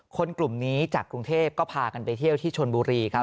กลุ่มนี้จากกรุงเทพก็พากันไปเที่ยวที่ชนบุรีครับ